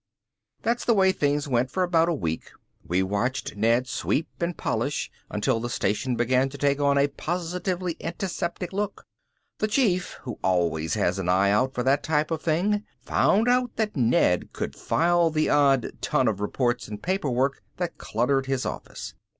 That's the way things went for about a week. We watched Ned sweep and polish until the station began to take on a positively antiseptic look. The Chief, who always has an eye out for that type of thing, found out that Ned could file the odd ton of reports and paperwork that cluttered his office.